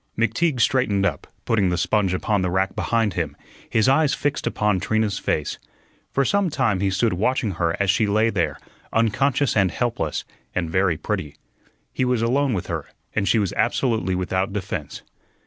McTeague straightened up, putting the sponge upon the rack behind him, his eyes fixed upon Trina's face. For some time he stood watching her as she lay there, unconscious and helpless, and very pretty. He was alone with her, and she was absolutely without defense.